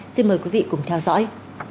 xin mời quý vị cùng theo dõi